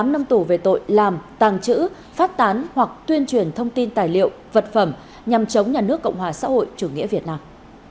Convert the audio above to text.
tám năm tù về tội làm tàng trữ phát tán hoặc tuyên truyền thông tin tài liệu vật phẩm nhằm chống nhà nước cộng hòa xã hội chủ nghĩa việt nam